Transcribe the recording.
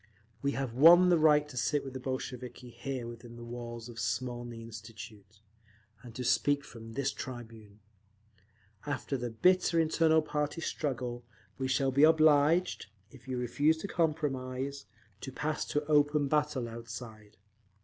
We have won the right to sit with the Bolsheviki here within the walls of Smolny Institute, and to speak from this tribune. After the bitter internal party struggle, we shall be obliged, if you refuse to compromise, to pass to open battle outside….